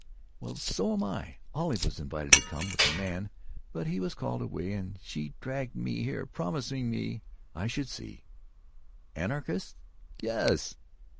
"Well, so am I! Olive was invited to come, with a man, but he was called away and she dragged me here, promising me I should see——" "Anarchists?" "Yes!